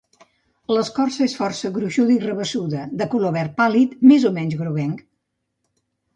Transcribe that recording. L'escorça és força gruixuda i rabassuda, de color verd pàl·lid més o menys groguenc.